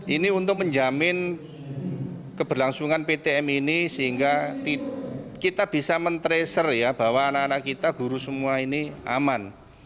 ini untuk menjamin keberlangsungan ptm ini sehingga kita bisa men tracer ya bahwa anak anak kita guru semua ini aman